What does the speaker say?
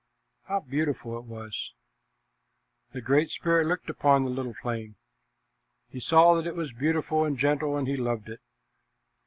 How beautiful it was! The Great Spirit looked upon the little flame. He saw that it was beautiful and gentle, and he loved it.